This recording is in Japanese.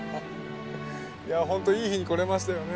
いや本当いい日に来れましたよね。